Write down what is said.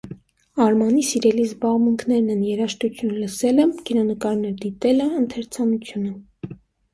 Արմանի սիրելի զբաղմունքներն են երաժշտություն լսելը, կինոնկարներ դիտելը, ընթերցանությունը։